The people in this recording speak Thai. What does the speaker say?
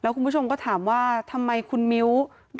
คุณผู้ชมก็ถามว่าทำไมคุณมิ้ว